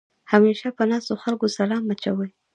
همېشه په ناستو خلکو سلام اچوې.